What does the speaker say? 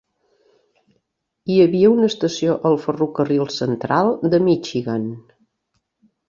Hi havia una estació al Ferrocarril Central de Michigan.